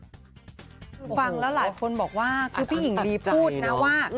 คือฟังแล้วหลายคนบอกว่าคือพี่หญิงลีพูดนะว่า